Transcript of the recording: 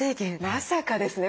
まさかですねこれ。